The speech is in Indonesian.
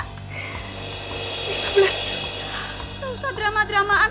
gak usah drama dramaan